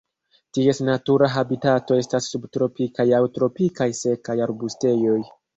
Ties natura habitato estas subtropikaj aŭ tropikaj sekaj arbustejoj.